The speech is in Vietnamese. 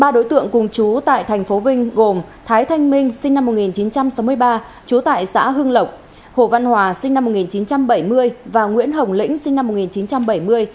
ba đối tượng cùng chú tại thành phố vinh gồm thái thanh minh sinh năm một nghìn chín trăm sáu mươi ba trú tại xã hưng lộc hồ văn hòa sinh năm một nghìn chín trăm bảy mươi và nguyễn hồng lĩnh sinh năm một nghìn chín trăm bảy mươi